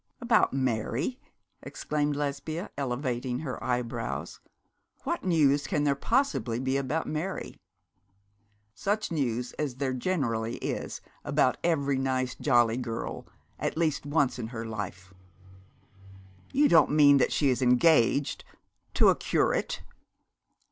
'About Mary!' exclaimed Lesbia, elevating her eyebrows. 'What news can there possibly be about Mary?' 'Such news as there generally is about every nice jolly girl, at least once in her life.' 'You don't mean that she is engaged to a curate?'